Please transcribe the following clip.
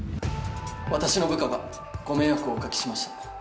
◆私の部下がご迷惑をおかけしました。